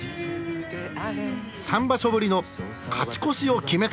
三場所ぶりの勝ち越しを決めた。